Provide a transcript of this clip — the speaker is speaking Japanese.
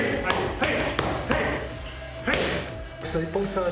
はい！